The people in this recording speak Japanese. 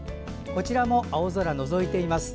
こちらも青空がのぞいています。